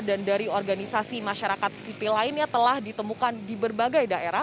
dan dari organisasi masyarakat sipil lainnya telah ditemukan di berbagai daerah